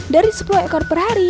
dari sepuluh ekor per hari